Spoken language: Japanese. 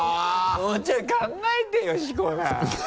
もうちょい考えてよしこ名。